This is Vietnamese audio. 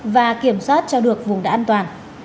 và kiểm soát cho được vùng đã an toàn